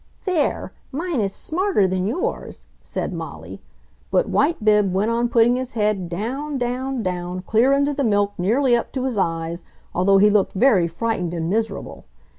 "There! Mine is smarter than yours!" said Molly. But White bib went on putting his head down, down, down, clear into the milk nearly up to his eyes, although he looked very frightened and miserable.